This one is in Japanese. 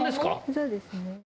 そうですね。